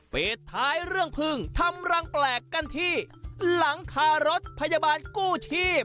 ท้ายเรื่องพึ่งทำรังแปลกกันที่หลังคารถพยาบาลกู้ชีพ